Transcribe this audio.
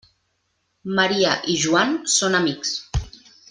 Maria i Joan són amics.